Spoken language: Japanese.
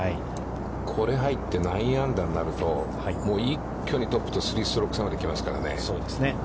これが入って９アンダーになると、一挙にトップと３ストローク差まで来ますからね。